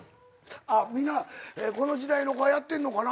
みんなこの時代の子はやってんのかなぁ。